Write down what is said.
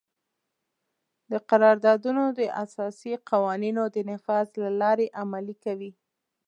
دا قراردادونه د اساسي قوانینو د نفاذ له لارې عملي کوي.